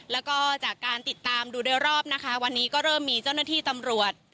และจากการติดตามดูเรียบรอบวันนี้เริ่มมีเจ้าหน้าที่ตำรวจ